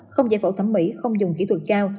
không giải phẫu thẩm mỹ không dùng kỹ thuật cao